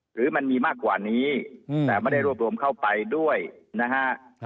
หรือมันมีมากกว่านี้แต่ไม่ได้รวบรวมเข้าไปด้วยนะฮะ